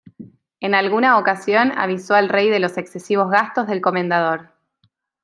En alguna ocasión avisó al rey de los excesivos gastos del comendador.